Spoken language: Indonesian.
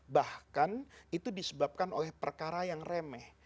bahkan itu disebabkan oleh perkara yang remeh